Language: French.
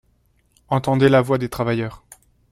Entendez la voix des travailleurs